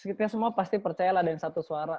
sekitarnya semua pasti percaya lah dengan satu suara